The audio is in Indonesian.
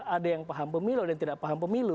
ada yang paham pemilu ada yang tidak paham pemilu